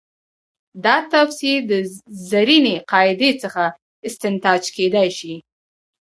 دا تفسیر د زرینې قاعدې څخه استنتاج کېدای شي.